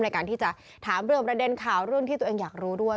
ในการที่จะถามเรื่องประเด็นข่าวเรื่องที่ตัวเองอยากรู้ด้วย